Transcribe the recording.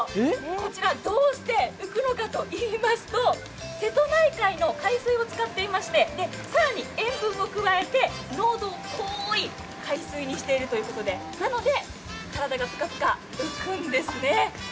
こちら、どうして浮くのかといいますと、瀬戸内海の海水を使っていまして、更に塩分を加えて濃度の濃い海水にしているということで体がぷかぷか浮くんですね。